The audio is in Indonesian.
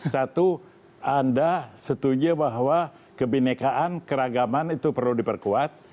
satu anda setuju bahwa kebenekaan keragaman itu perlu diperkuat